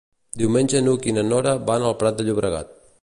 Diumenge n'Hug i na Nora van al Prat de Llobregat.